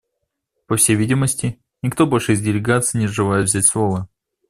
По всей видимости, никто больше из делегаций не желает взять слово.